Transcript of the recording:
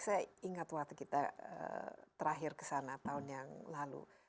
saya ingat waktu kita terakhir kesana tahun yang lalu